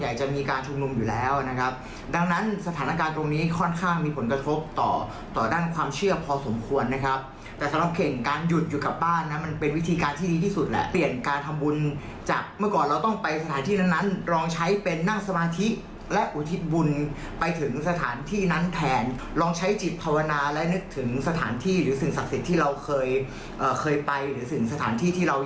อยู่บ้านปลอดเชื้อเพื่อชาติค่ะ